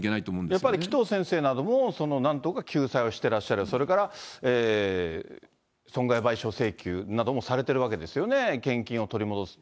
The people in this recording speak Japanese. やっぱり紀藤先生なんかも、なんとか救済をしてらっしゃる、それから損害賠償請求などもされてるわけですよね、献金を取り戻す。